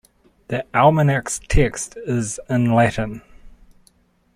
The "Almanach"'s text is in Latin.